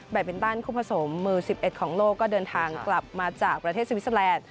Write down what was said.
บินตันคู่ผสมมือ๑๑ของโลกก็เดินทางกลับมาจากประเทศสวิสเตอร์แลนด์